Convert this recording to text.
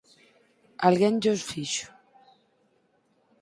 Alguén llos fixo.